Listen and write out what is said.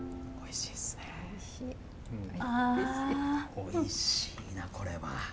おいしいなこれは。